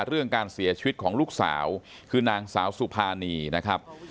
เรื่องการเสียชีวิตของลูกสาวคือนางสาวสุภานีนะครับ